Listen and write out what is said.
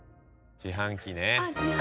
自販機ね。